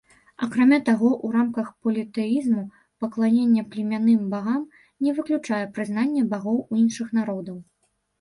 Акрамя таго, у рамках політэізму пакланенне племянным багам не выключае прызнання багоў іншых народаў.